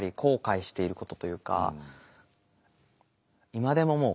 今でももう